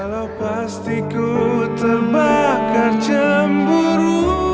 halo pasti ku terbakar cemburu